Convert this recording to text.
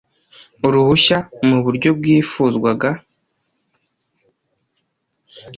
uruhushya mu buryo bwifuzwaga